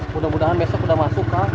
mudah mudahan besok udah masuk kang